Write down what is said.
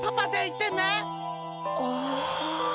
ああ。